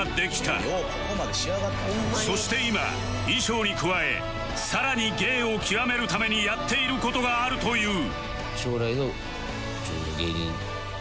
そして今衣装に加え更に芸を極めるためにやっている事があるという